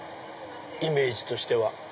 イメージとしては。